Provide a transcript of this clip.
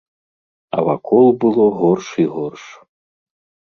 А вакол было горш і горш.